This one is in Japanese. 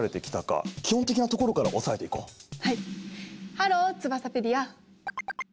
ハローツバサペディア！